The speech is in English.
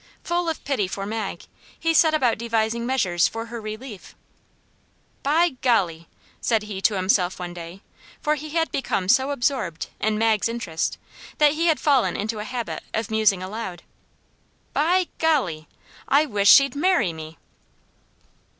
Full of pity for Mag, he set about devising measures for her relief. "By golly!" said he to himself one day for he had become so absorbed in Mag's interest that he had fallen into a habit of musing aloud "By golly! I wish she'd MARRY me."